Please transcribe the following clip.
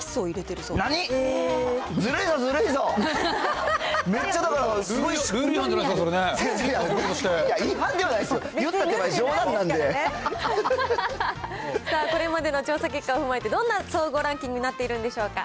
言った手前、これまでの調査結果を踏まえて、どんな総合ランキングになっているんでしょうか。